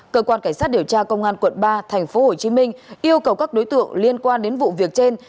cơ quan cảnh sát điều tra công an quận ba tp hcm yêu cầu các đối tượng liên quan đến vụ việc trên